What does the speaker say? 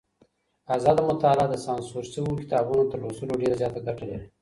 ازاده مطالعه د سانسور شويو کتابونو تر لوستلو ډېره زياته ګټه لري.